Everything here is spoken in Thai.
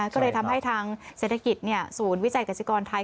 ก็เลยทำให้ทางเศรษฐกิจศูนย์วิจัยกษิกรไทย